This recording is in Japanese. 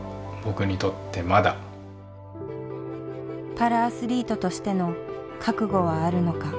パラアスリートとしての覚悟はあるのか。